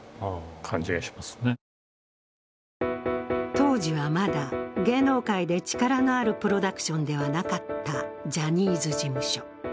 当時はまだ芸能界で力のあるプロダクションではなかったジャニーズ事務所。